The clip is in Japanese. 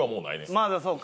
まだそうか。